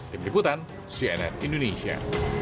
tim liputan cnn indonesia